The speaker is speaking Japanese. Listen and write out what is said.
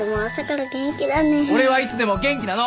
俺はいつでも元気なの。